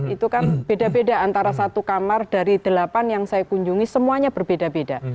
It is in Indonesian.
itu kan beda beda antara satu kamar dari delapan yang saya kunjungi semuanya berbeda beda